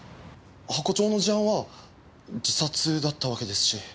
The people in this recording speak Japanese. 箱長の事案は自殺だったわけですし。